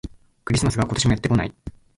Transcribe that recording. クリスマスが、今年もやってこない